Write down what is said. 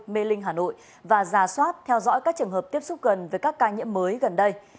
mê linh hà nội và giả soát theo dõi các trường hợp tiếp xúc gần với các ca nhiễm mới gần đây